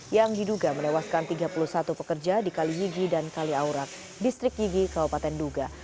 yang diduga menewaskan tiga puluh satu pekerja di kali yigi dan kali aurak distrik yigi kabupaten duga